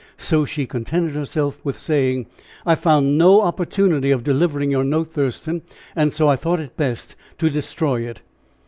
So she contented herself with saying: "I found no opportunity of delivering your note, Thurston, and so I thought it best to destroy it."